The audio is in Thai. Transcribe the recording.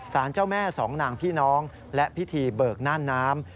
เจ้าแม่สองนางพี่น้องและพิธีเบิกน่านน้ำ